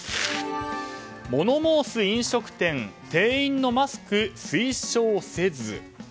物申す飲食店店員のマスク推奨せず。